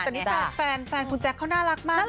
สวัสดีค่ะแฟนคุณแจ็คเขาน่ารักมากนะ